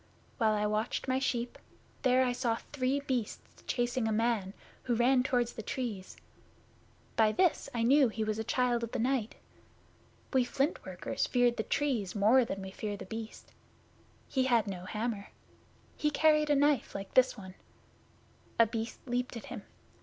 While I watched my sheep there I saw three Beasts chasing a man, who ran toward the Trees. By this I knew he was a Child of the Night. We Flint workers fear the Trees more than we fear The Beast. He had no hammer. He carried a knife like this one. A Beast leaped at him.